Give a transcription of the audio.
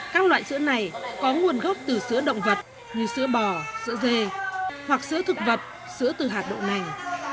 các loại sữa này có nguồn gốc từ sữa động vật như sữa bò sữa dê hoặc sữa thực vật sữa từ hạt đậu nành